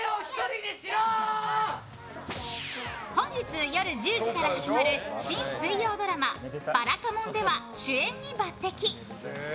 本日夜１０時から始まる新水曜ドラマ「ばらかもん」では主演に抜擢！